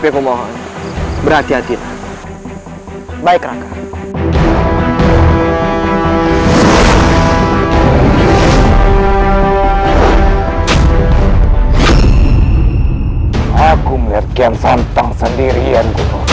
aku melihat kian santang sendirian